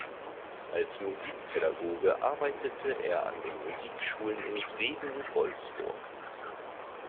Als Musikpädagoge arbeitete er an den Musikschulen in Vreden und Wolfsburg.